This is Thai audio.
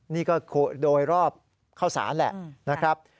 นี่ก็โดยรอบเข้าสารแหละนะครับ